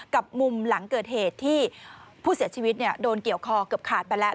กับมุมหลังเกิดเหตุที่ผู้เสียชีวิตโดนเกี่ยวคอเกือบขาดไปแล้ว